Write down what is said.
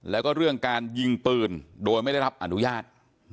แล้วก็เรื่องการยิงปืนโดยไม่ได้รับอนุญาต